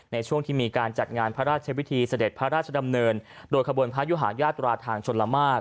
ในช่วงที่มีการจัดงานพระราชวิธีเสด็จพระราชดำเนินโดยขบวนพระยุหาญาตราทางชนละมาก